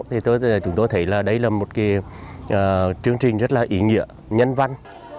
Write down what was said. thì chúng tôi thấy đây là một chương trình rất ý nghĩa nhân văn